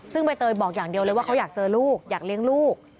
ซึ่งใบเตยบอกอย่างเดียวเลยว่าเขาอยากเจอลูกอยากเลี้ยงลูก